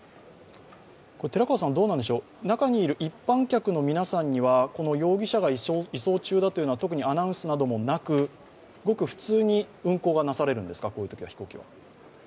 中にいる一般客の皆さんには容疑者が移送中だということは特にアナウンスなどもなく、ごく普通に運航がなされるんですか？